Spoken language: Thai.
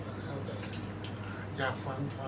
อันไหนที่มันไม่จริงแล้วอาจารย์อยากพูด